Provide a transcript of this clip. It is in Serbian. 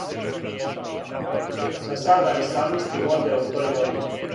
За сада исламисти воде у тој борби...